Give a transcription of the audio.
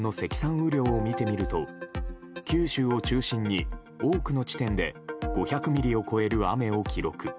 雨量を見てみると九州を中心に多くの地点で５００ミリを超える雨を記録。